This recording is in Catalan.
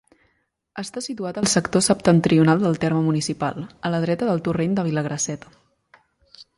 Està situat al sector septentrional del terme municipal, a la dreta del torrent de Vilagrasseta.